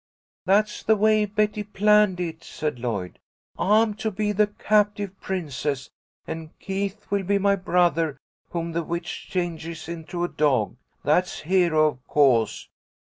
"That's the way Betty planned it," said Lloyd. "I'm to be the captive princess, and Keith will be my brother whom the witch changes into a dog. That's Hero, of co'se.